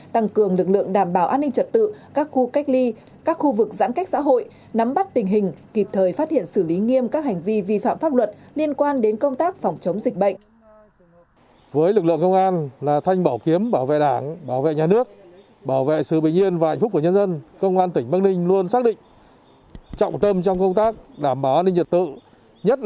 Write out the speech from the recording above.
tăng cường lực lượng đảm bảo an ninh trật tự các khu cách ly các khu vực giãn cách xã hội nắm bắt tình hình kịp thời phát hiện xử lý nghiêm các hành vi vi phạm pháp luật liên quan đến công tác phòng chống dịch bệnh